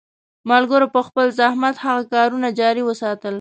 ملګرو په خپل مزاحمت هغه کارونه جاري وساتل.